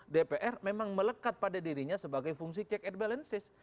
dpr memang melekat pada dirinya sebagai fungsi check and balances